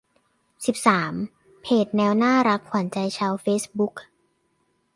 สิบสาม เพจแมวน่ารักขวัญใจชาวเฟซบุ๊ก